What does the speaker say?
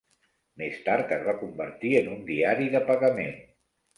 Més tard es va convertir en un diari de pagament.